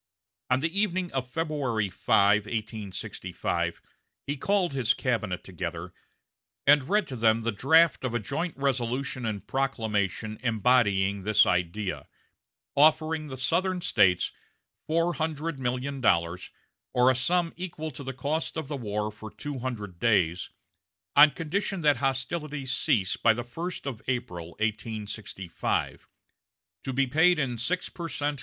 On the evening of February 5, 1865, he called his cabinet together, and read to them the draft of a joint resolution and proclamation embodying this idea, offering the Southern States four hundred million dollars, or a sum equal to the cost of the war for two hundred days, on condition that hostilities cease by the first of April, 1865; to be paid in six per cent.